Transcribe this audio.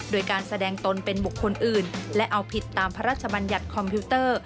โดยการแสดงตนเป็นบุคคลอื่นและเอาผิดตามพระราชบัญญัติคอมพิวเตอร์